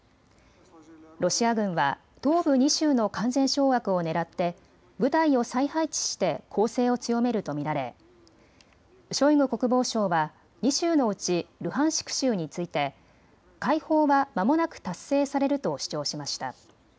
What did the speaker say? ロシア軍は東部２州の完全掌握をねらって部隊を再配置して攻勢を強めると見られショイグ国防相は２州のうちルハンシク州について解放は、まもなく達成されると主張しました。